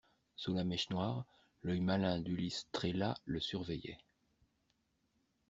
Sous la mèche noire, l'œil malin d'Ulysse Trélat le surveillait.